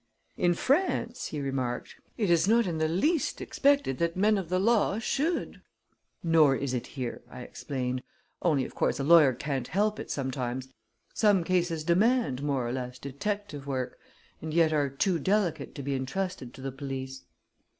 "In France," he remarked, "it is not in the least expected that men of the law should " "Nor is it here," I explained. "Only, of course, a lawyer can't help it, sometimes; some cases demand more or less detective work, and are yet too delicate to be intrusted to the police."